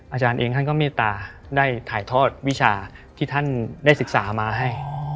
อาจารย์เองท่านก็เมตตาได้ถ่ายทอดวิชาที่ท่านได้ศึกษามาให้